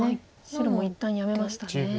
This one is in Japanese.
白も一旦やめましたね。